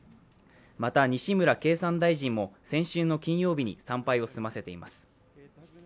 また西村経産大臣も先週の金曜日に参拝を済ませています。